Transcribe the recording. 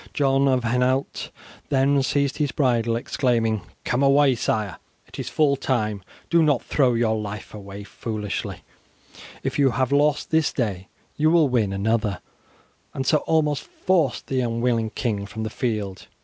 John of Hainault then seized his bridle exclaiming "Come away, sire, it is full time; do not throw your life away foolishly; if you have lost this day you will win another," and so almost forced the unwilling king from the field.